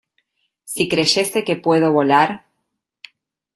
Si creyese que puedo volar